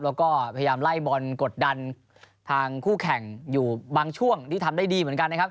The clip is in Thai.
แล้วก็พยายามไล่บอลกดดันทางคู่แข่งอยู่บางช่วงที่ทำได้ดีเหมือนกันนะครับ